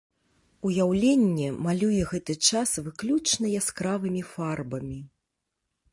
Уяўленне малюе гэты час выключна яскравымі фарбамі.